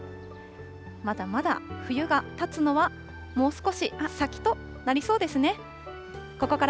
まだまだ冬が立つのはもう少し先となりそうですね。